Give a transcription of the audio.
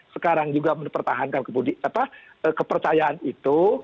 sekarang juga mempertahankan kepercayaan itu